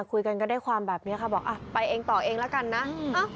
คุยกันก็ได้ความแบบนี้ค่ะบอกอ่ะไปเองต่อเองแล้วกันนะ